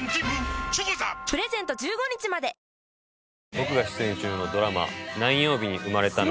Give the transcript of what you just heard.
僕が出演中のドラマ『何曜日に生まれたの』